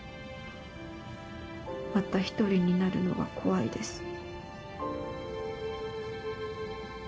また１人になるのが怖いです。